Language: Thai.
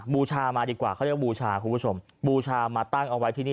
บูชามาดีกว่าเขาเรียกว่าบูชาคุณผู้ชมบูชามาตั้งเอาไว้ที่นี่